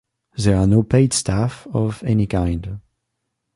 There are no paid staff of any kind.